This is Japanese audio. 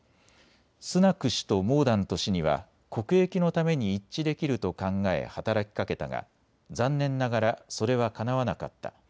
スナク氏とモーダント氏には国益のために一致できると考え働きかけたが残念ながらそれはかなわなかった。